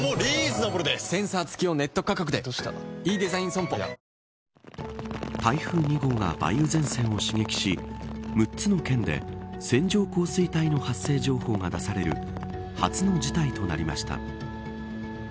損保ジャパン台風２号が梅雨前線を刺激し６つの県で線状降水帯の発生情報が出される初の事態となりました。